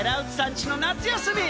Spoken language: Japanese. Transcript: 家の夏休み。